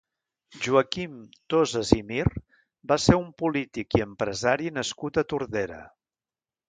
Joaquim Tosas i Mir va ser un polític i empresari nascut a Tordera.